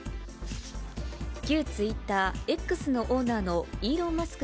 旧ツイッター、Ｘのオーナーのイーロン・マスク